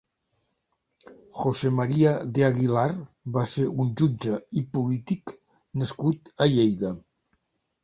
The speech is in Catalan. José María de Aguilar va ser un jutge i polític nascut a Lleida.